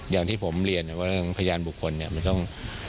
อย่างที่ผมเรียนว่าเรื่องพยานบุคคลเนี่ยมันต้อง